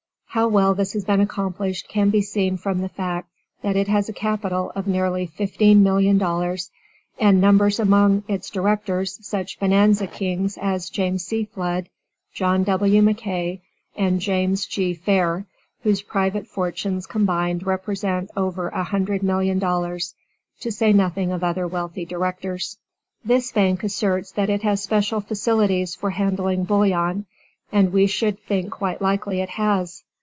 How well this has been accomplished can be seen from the fact, that it has a capital of nearly fifteen million dollars, and numbers among its directors, such bonanza kings as James C. Flood, John W. MacKay and James G. Fair, whose private fortunes combined represent over $100,000,000, to say nothing of other wealthy directors. This bank asserts that it has special facilities for handling bullion, and we should think quite likely it has.